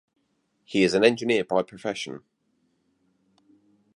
He is an engineer by profession.